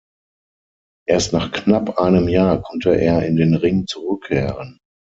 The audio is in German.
Erst nach knapp einem Jahr konnte er in den Ring zurückkehren.